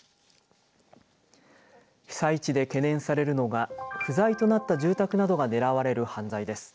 被災地で懸念されるのが不在となった住宅などが狙われる犯罪です。